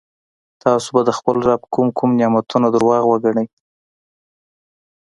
تاسو به د خپل رب کوم کوم نعمتونه درواغ وګڼئ.